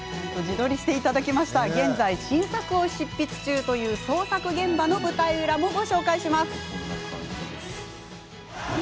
現在、新作を執筆中という創作現場の舞台裏も紹介。